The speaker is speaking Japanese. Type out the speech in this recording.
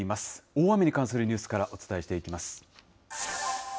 大雨に関するニュースからお伝えしていきます。